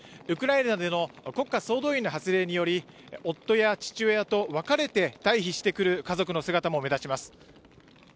ウクライナでの国家総動員の発令により夫や父親と別れて退避してくる家族の姿も目立ちます。